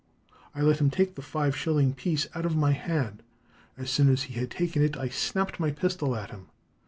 I let him take the five shilling piece out of my hand. As soon as he had taken it I snapped my pistol at him.